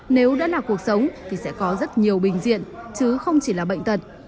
nếu đã là cuộc sống thì sẽ có rất nhiều bình diện chứ không chỉ là bệnh tật